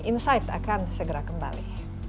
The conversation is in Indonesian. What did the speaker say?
insight akan segera kembali